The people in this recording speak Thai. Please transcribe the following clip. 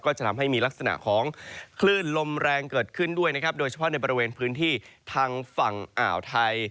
จะทำให้มีลักษณะของคลื่นลมแรงเกิดขึ้นด้วยนะครับโดยเฉพาะในบริเวณพื้นที่ทางฝั่งอ่าวไทย